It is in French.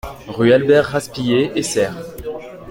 Rue Albert Raspiller, Essert